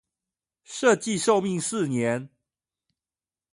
設計壽命四年